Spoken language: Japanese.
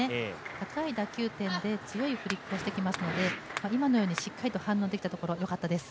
高い打球点で強いフリックをしてきますので、今のようにしっかり反応できたところ、よかったです。